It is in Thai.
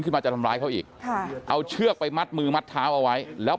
มาจะทำร้ายเขาอีกค่ะเอาเชือกไปมัดมือมัดเท้าเอาไว้แล้ว